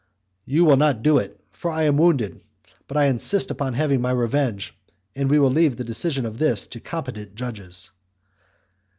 "You will not do it, for I am wounded; but I insist upon having my revenge, and we will leave the decision of this to competent judges."